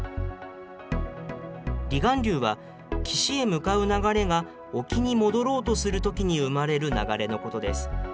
離岸流は、岸へ向かう流れが沖に戻ろうとするときに生まれる流れのことです。